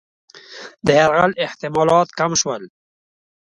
د یرغل احتمالات کم شول.